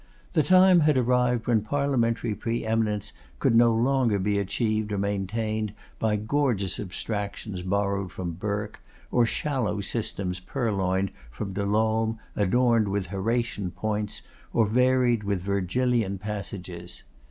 The time had arrived when parliamentary preeminence could no longer be achieved or maintained by gorgeous abstractions borrowed from Burke, or shallow systems purloined from De Lolme, adorned with Horatian points, or varied with Virgilian passages.